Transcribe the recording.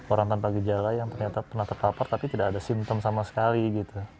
orang tanpa gejala yang ternyata pernah terpapar tapi tidak ada simptom sama sekali gitu